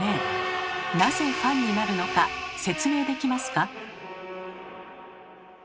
なぜファンになるのか説明できますか？